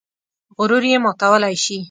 غرور یې ماتولی شي.